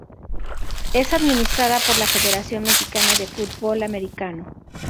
Es administrada por la Federación Mexicana de Fútbol Americano.